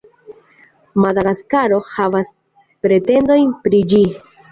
Madagaskaro havas pretendojn pri ĝi.